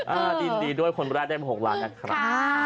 อ่าอินดีด้วยคนรักได้๖ล้านนะครับ